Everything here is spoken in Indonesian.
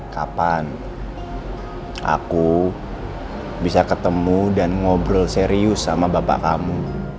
kapan aku bisa ketemu dan ngobrol serius sama bapak kamu